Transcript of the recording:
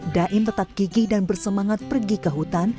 daim tetap gigih dan bersemangat pergi ke hutan